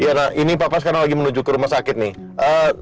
diana ini papa sekarang lagi menuju ke rumah sakit nih